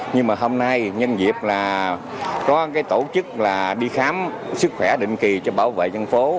nhưng mà hôm nay nhân dịp là có cái tổ chức là đi khám sức khỏe định kỳ cho bảo vệ dân phố